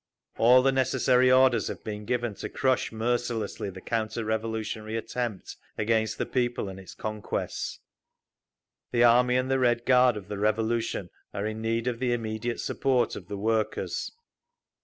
All the necessary orders have been given to crush mercilessly the counter revolutionary attempt against the people and its conquests. The Army and the Red Guard of the Revolution are in need of the immediate support of the workers.